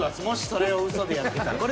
もしそれをうそでやってたら。